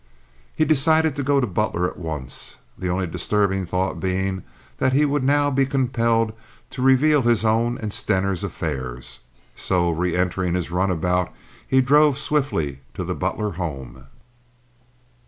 He decided to go to Butler at once, the only disturbing thought being that he would now be compelled to reveal his own and Stener's affairs. So reentering his runabout he drove swiftly to the Butler home.